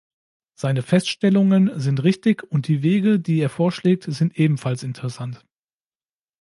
Seine Feststellungen sind richtig, und die Wege, die er vorschlägt, sind ebenfalls interessant.